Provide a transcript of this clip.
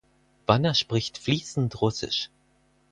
Wanner spricht fließend Russisch.